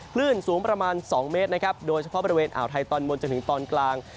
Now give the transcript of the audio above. คลื่นสูงประมาณ๒เมตรนะครับโดยเฉพาะบริเวณอ่าวไทยตอนบนจนถึงตอนกลาง